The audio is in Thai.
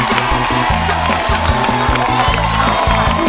โดยการแข่งขาวของทีมเด็กเสียงดีจำนวนสองทีม